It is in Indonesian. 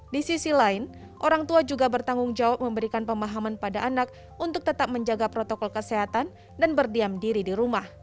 di sisi lain orang tua juga bertanggung jawab memberikan pemahaman pada anak untuk tetap menjaga protokol kesehatan dan berdiam diri di rumah